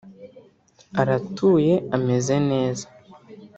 aratuye ameze neza